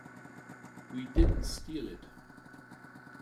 We didn't steal it.